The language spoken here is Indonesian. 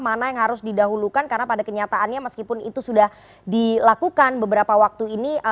mana yang harus didahulukan karena pada kenyataannya meskipun itu sudah dilakukan beberapa waktu ini